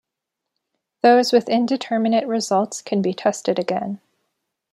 Those with indeterminate results can be tested again.